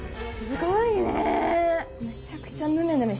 すごいね。